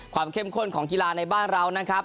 เข้มข้นของกีฬาในบ้านเรานะครับ